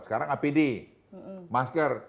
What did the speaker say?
sekarang apd masker